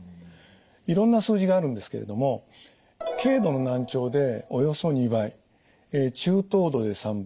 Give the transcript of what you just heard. いろんな数字があるんですけれども軽度の難聴でおよそ２倍中等度で３倍